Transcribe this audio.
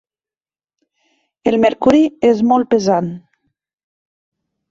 El mercuri és molt pesant.